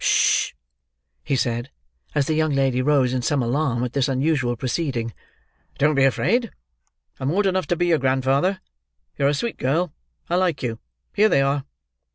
"Hush!" he said, as the young lady rose in some alarm at this unusual proceeding. "Don't be afraid. I'm old enough to be your grandfather. You're a sweet girl. I like you. Here they are!"